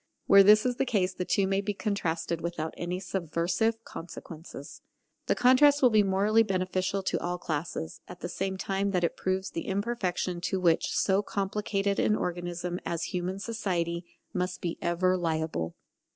Where this is the case the two may be contrasted without any subversive consequences. The contrast will be morally beneficial to all classes, at the same time that it proves the imperfection to which so complicated an organism as human society must be ever liable.